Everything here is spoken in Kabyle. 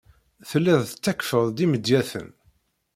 Tellid tettakfed-d imedyaten.